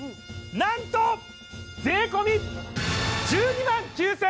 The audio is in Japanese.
なんと税込１２万９８００円です！